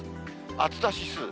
暑さ指数。